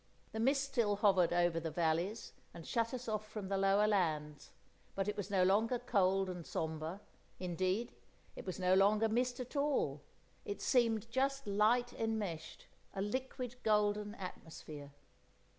The mist still hovered over the valleys, and shut us off from the lower lands, but it was no longer cold and sombre; indeed, it was no longer mist at all; it seemed just light enmeshed, a liquid golden atmosphere.